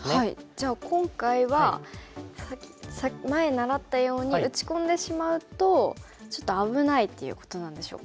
じゃあ今回は前習ったように打ち込んでしまうとちょっと危ないっていうことなんでしょうか。